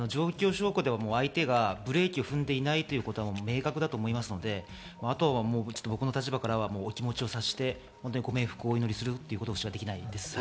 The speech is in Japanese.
相手はブレーキを踏んでいないということは明確だと思いますので、僕の立場からお気持ちを察してご冥福をお祈りすることしかできないです。